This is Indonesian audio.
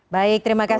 baik terima kasih